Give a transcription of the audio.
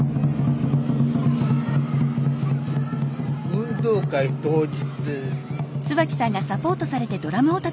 運動会当日。